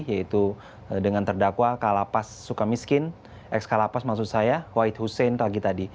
yaitu dengan terdakwa kalapas sukamiskin eks kalapas maksud saya wahid hussein pagi tadi